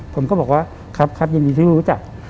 ผมก็บอกว่าครับยินดีที่รู้จัก